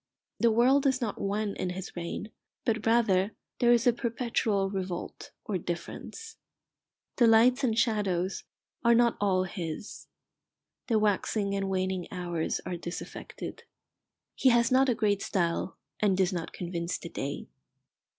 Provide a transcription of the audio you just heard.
The world is not one in his reign, but rather there is a perpetual revolt or difference. The lights and shadows are not all his. The waxing and waning hours are disaffected. He has not a great style, and does not convince the day.